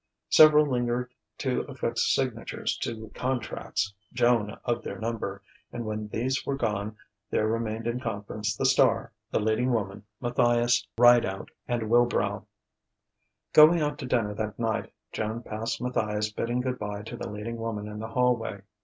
Several lingered to affix signatures to contracts Joan of their number; and when these were gone, there remained in conference the star, the leading woman, Matthias, Rideout, and Wilbrow. Going out to dinner that night, Joan passed Matthias bidding good bye to the leading woman in the hallway.